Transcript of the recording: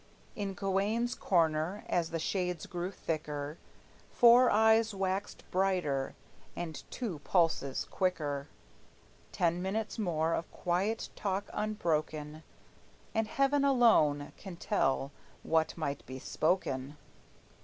In Gawayne's corner, as the shades grew thicker, Four eyes waxed brighter, and two pulses quicker; Ten minutes more of quiet talk unbroken, And heaven alone can tell what might be spoken!